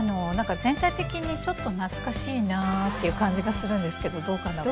全体的にちょっと懐かしいなっていう感じがするんですけどどうかな？って。